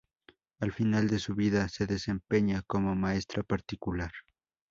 Al final de su vida, se desempeña como maestra particular.